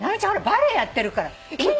バレエやってるから。